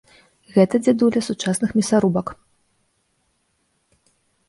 Гэта дзядуля сучасных мясарубак!